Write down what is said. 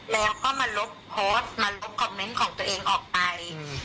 แล้วก็มันลบโฟสมันลบคอมเมนต์ของตัวเองออกไปอืม